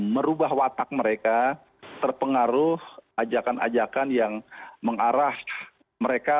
merubah watak mereka terpengaruh ajakan ajakan yang mengarah mereka